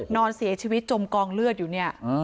นอนเสียชีวิตจมกองเลือดอยู่เนี่ย